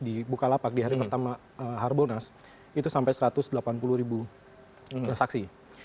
di bukalapak di hari pertama harbolnas itu sampai satu ratus delapan puluh ribu transaksi